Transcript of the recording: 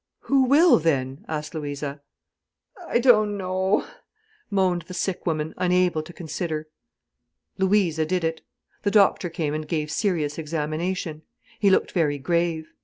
"Who will, then?" asked Louisa. "I don't know," moaned the sick woman, unable to consider. Louisa did it. The doctor came and gave serious examination. He looked very grave.